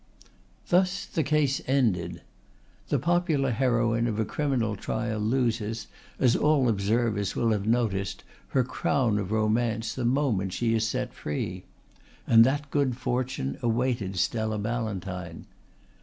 Thus the case ended. The popular heroine of a criminal trial loses, as all observers will have noticed, her crown of romance the moment she is set free; and that good fortune awaited Stella Ballantyne.